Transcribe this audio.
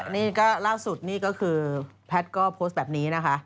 นี่ค่ะล่าสุดนี่ก็คือแพลตก็พดแบบนี้นะคะ